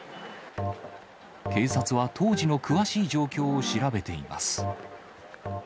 警察は当時の詳しい状況を調べています。